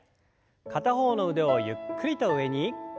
片方の腕をゆっくりと上に。